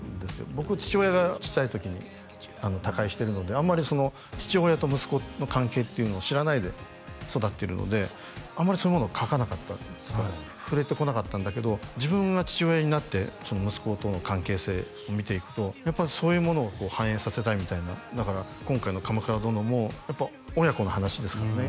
僕父親が小さい時に他界してるのであんまり父親と息子の関係っていうのを知らないで育ってるのであんまりそういうものを書かなかったっていうか触れてこなかったんだけど自分が父親になって息子との関係性を見ていくとやっぱりそういうものを反映させたいみたいなだから今回の「鎌倉殿」もやっぱ親子の話ですからね